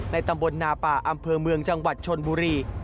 ตำบลนาป่าอำเภอเมืองจังหวัดชนบุรี